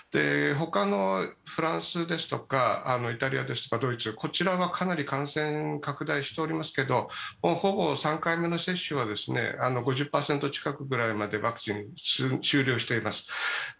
ほかのフランスやイタリア、ドイツはかなり感染拡大しておりますけれども、ほぼ３回目の接種は５０％近くぐらいまでワクチン終了しています。